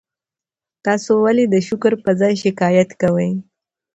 تاسي ولي د شکر پر ځای شکایت کوئ؟